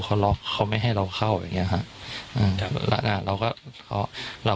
เขาล็อคเขาไม่ให้เราเข้าอย่างนี้ครับ